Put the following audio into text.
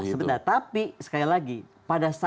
tapi sekali lagi pada saat posisi kementerian pertahanan